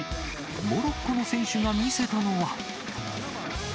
モロッコの選手が見せたのは。